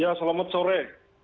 ya selamat sore